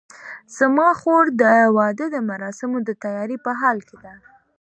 زما خور د واده د مراسمو د تیارۍ په حال کې ده